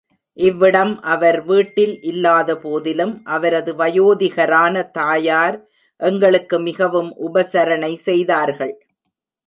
இவ்விடம் அவர் வீட்டில் இல்லாதபோதிலும் அவரது வயோதிகரான தாயார் எங்களுக்கு மிகவும் உபசரணை செய்தார்கள்.